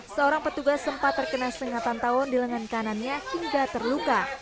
seorang petugas sempat terkena sengatan tawon di lengan kanannya hingga terluka